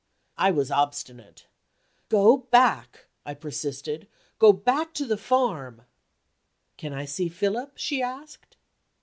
I was obstinate. "Go back!" I persisted. "Go back to the farm!" "Can I see Philip?" she asked.